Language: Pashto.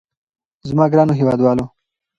زما ګرانو هېوادوالو.